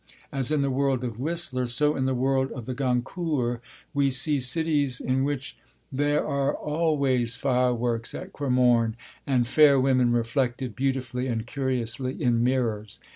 As in the world of Whistler, so in the world of the Goncourts, we see cities in which there are always fireworks at Cremorne, and fair women reflected beautifully and curiously in mirrors.